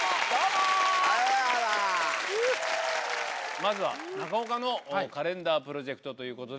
まずは中岡のカレンダープロジェクトということで。